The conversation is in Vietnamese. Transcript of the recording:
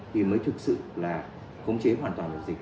vì mới thực sự là khống chế hoàn toàn dịch